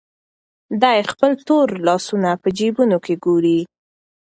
دی خپل تور لاسونه په جېبونو کې ګوري.